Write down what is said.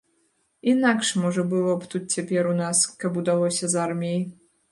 Інакш можа было б тут цяпер у нас, каб удалося з арміяй.